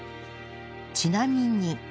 ちなみに